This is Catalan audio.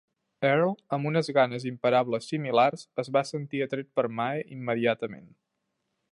Earl, amb una ganes imparables similars, es va sentir atret per Mae immediatament.